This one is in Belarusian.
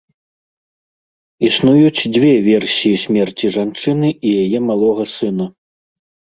Існуюць дзве версіі смерці жанчыны і яе малога сына.